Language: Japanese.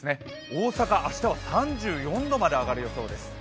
大阪明日は３４度まで上がる予想です。